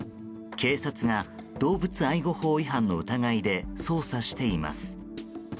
警察が動物愛護法違反の疑いで捜査しています。